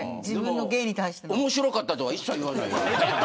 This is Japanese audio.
面白かったとは一切言わないです。